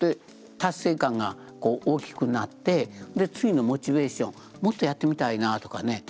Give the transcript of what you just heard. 達成感がこう大きくなってで次のモチベーションもっとやってみたいなとかね